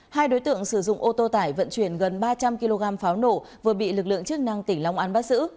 hai đối tượng sử dụng ô tô tải vận chuyển gần ba trăm linh kg pháo nổ vừa bị lực lượng chức năng tỉnh long an bắt giữ